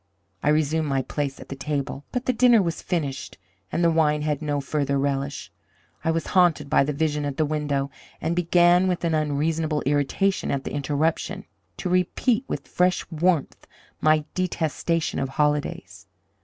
I resumed my place at the table; but the dinner was finished, and the wine had no further relish. I was haunted by the vision at the window, and began, with an unreasonable irritation at the interruption, to repeat with fresh warmth my detestation of holidays.